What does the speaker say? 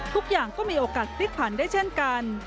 ทุกอย่างก็มีโอกาสพลิกผันได้เช่นกัน